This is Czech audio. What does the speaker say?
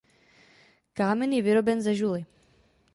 Kámen je vyroben ze žuly.